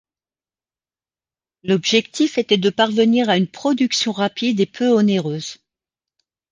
L'objectif était de parvenir à une production rapide et peu onéreuse.